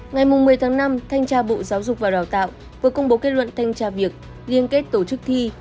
ngày một mươi tháng năm thanh tra bộ giáo dục và đào tạo vừa công bố kết luận thanh tra việc liên kết tổ chức thi